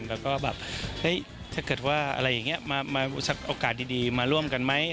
แล้วก็แบบเฮ้ยถ้าเกิดว่าอะไรอย่างนี้มาโอกาสดีมาร่วมกันไหม